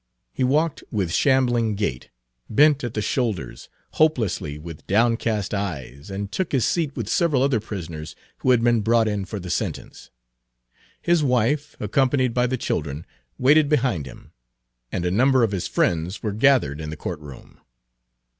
He walked with shambling gait, bent at the shoulders, hopelessly, with downcast eyes, and took his seat with several other prisoners who had been brought in for sentence. His wife, accompanied by the children, waited behind him, and a number of his friends were gathered in the court room.